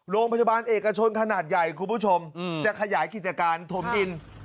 โรงพยาบาลเอกชนขนาดใหญ่คุณผู้ชมจะขยายกิจการถมดิน